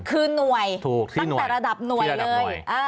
คือหน่วยตั้งแต่ระดับหน่วยเลย